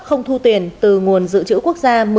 không thu tiền từ nguồn dự trữ quốc gia